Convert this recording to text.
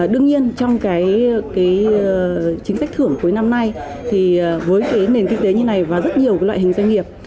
đương nhiên trong chính sách thưởng cuối năm nay với nền kinh tế như này và rất nhiều loại hình doanh nghiệp